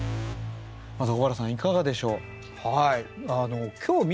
まず尾原さんいかがでしょう？